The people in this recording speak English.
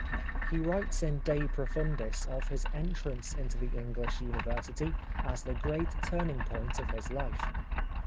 He writes in " De Profundis " of his entrance into the English University, as the great turning point of his life.